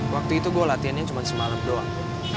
waktu itu gue latihannya cuman semalem doang